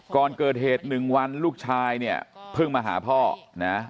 ก่อนเกิดเหตุ๑วันลูกชายเนี่ยเพิ่งมาหาพ่อนะ